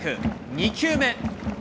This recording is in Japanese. ２球目。